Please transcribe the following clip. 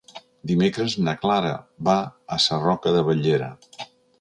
Dimecres na Clara va a Sarroca de Bellera.